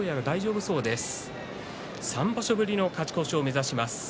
３場所ぶりの勝ち越しを目指します。